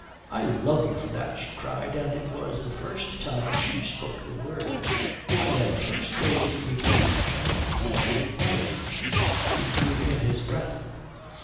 "I love you for that!" she cried, and it was the first time she spoke the word. "Why then, first go with me to church and call me wife!" He drew in his breath.